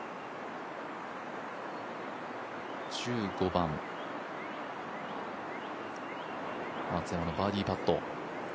１５番、松山のバーディーパット。